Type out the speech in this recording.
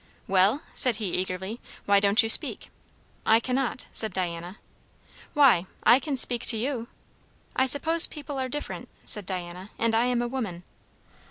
"Well?" said he eagerly. "Why don't you speak?" "I cannot," said Diana. "Why? I can speak to you." "I suppose people are different," said Diana. "And I am a woman."